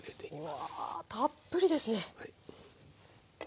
うわたっぷりですね！